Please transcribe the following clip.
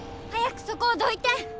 早くそこをどいて！